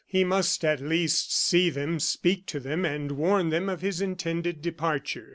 He must, at least, see them, speak to them, and warn them of his intended departure.